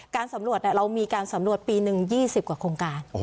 สำรวจเรามีการสำรวจปีหนึ่ง๒๐กว่าโครงการ